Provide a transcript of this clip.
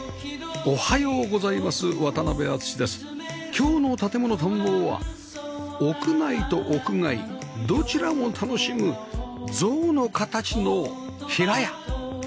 今日の『建もの探訪』は屋内と屋外どちらも楽しむ象の形の平屋